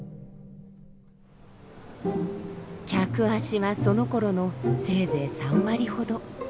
客足はそのころのせいぜい３割ほど。